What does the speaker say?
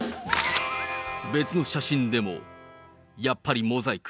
別の写真でも、やっぱりモザイク。